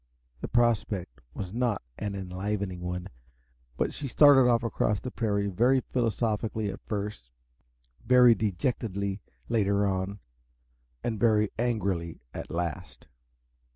The prospect was not an enlivening one, but she started off across the prairie very philosophically at first, very dejectedly later on, and very angrily at last.